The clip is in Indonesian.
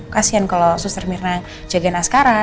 kasian kalau suster mirna jagain askara